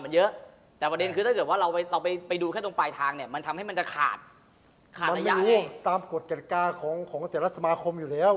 มันไม่รู้ว่าตามกฎกรรกาของแต่ละสมาคมอยู่แล้ว